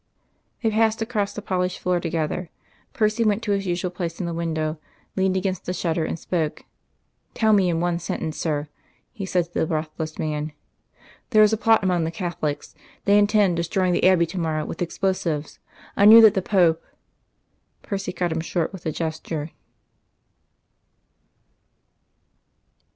They passed across the polished floor together; Percy went to his usual place in the window, leaned against the shutter, and spoke. "Tell me in one sentence, sir," he said to the breathless man. "There is a plot among the Catholics. They intend destroying the Abbey to morrow with explosives. I knew that the Pope " Percy cut him short with a gesture.